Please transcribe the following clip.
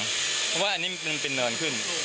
เพราะว่าอันนี้เป็นเรือนขึ้น